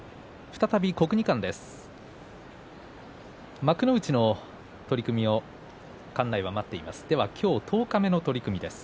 再び国技館です。